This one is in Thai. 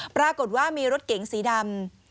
ปรากฏว่ามีรถเก๋งสีดำ